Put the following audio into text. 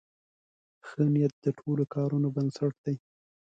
ښه نیت د ټولو کارونو بنسټ دی.